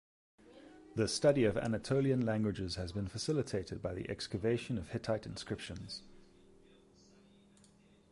The study of Anatolian languages has been facilitated by the excavation of Hittite inscriptions.